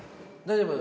大丈夫？